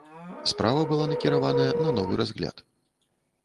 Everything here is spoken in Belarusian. Справа была накіраваная на новы разгляд.